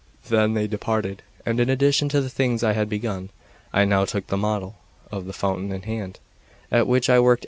Then they departed, and in addition to the things I had begun, I now took the model of the fountain in hand, at which I worked assiduously.